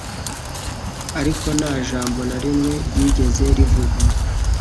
Ariko nta jambo na rimwe ryigeze rivugwa